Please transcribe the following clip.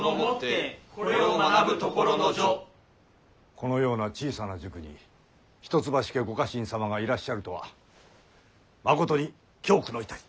このような小さな塾に一橋家ご家臣様がいらっしゃるとはまことに恐懼の至り。